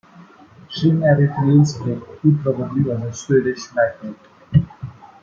She married Nils Blake, who probably was a Swedish magnate.